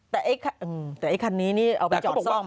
แต่ไอ้คันนี้นี่เอาไปจอดซ่อม